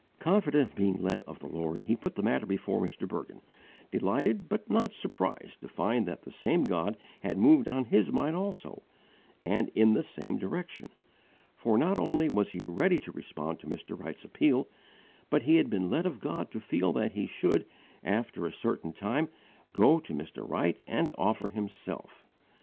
Confident of being led of God, he put the matter before Mr. Bergin, delighted but not surprised to find that the same God had moved on his mind also, and in the same direction; for not only was he ready to respond to Mr. Wright's appeal, but he had been led of God to feel that he should, after a certain time, _go to Mr. Wright and offer himself.